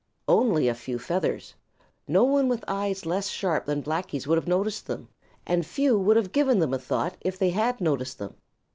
Only a few feathers. No one with eyes less sharp than Blacky's would have noticed them. And few would have given them a thought if they had noticed them.